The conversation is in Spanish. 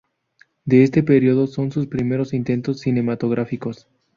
De este periodo son sus primeros intentos cinematográficos.